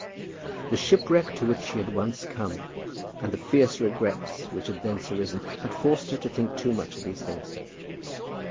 The shipwreck to which she had once come, and the fierce regrets which had thence arisen, had forced her to think too much of these things.